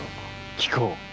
聞こう。